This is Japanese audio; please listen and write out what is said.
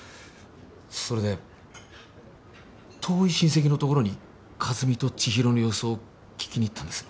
それで遠い親戚のところに和美とちひろの様子を聞きに行ったんです。